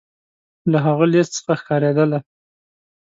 له هغه لیست څخه ښکارېدله.